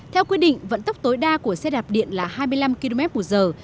theo quy định vận tốc tối đa của xe đạp điện là hai mươi năm km một giờ